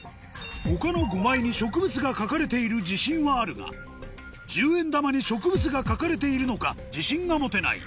他の５枚に植物が描かれている自信はあるが１０円玉に植物が描かれているのか自信が持てない